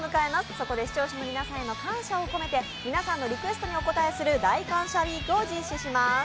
そこで視聴者の皆さんへの感謝を込めて皆さんのリクエストにお応えする大感謝ウィークを開催します。